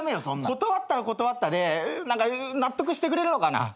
断ったら断ったで納得してくれるのかな？